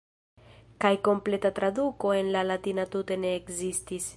Kaj kompleta traduko en la Latina tute ne ekzistis.